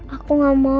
aku gak mau